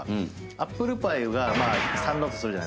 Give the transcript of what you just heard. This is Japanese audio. アップルパイが３だとする。